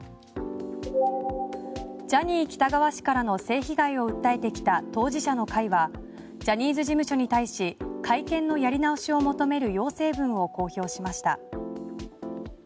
ジャニー喜多川氏からの性被害を訴えてきた当事者の会はジャニーズ事務所に対し会見のやり直しを求める要請文を公表しました。